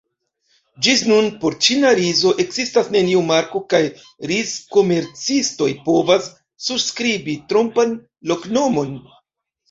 Ĝis nun por ĉina rizo ekzistas neniu marko kaj rizkomercistoj povas surskribi trompan loknomon.